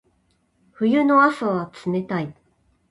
冬の朝は冷たい。